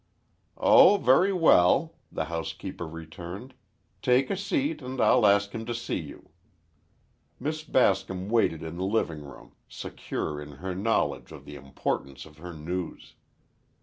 "Oh, very well," the housekeeper returned, "take a seat and I'll ask him to see you." Miss Bascom waited in the living room, secure in her knowledge of the importance of her news.